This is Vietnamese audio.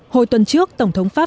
hồi tuần trước tổng thống pháp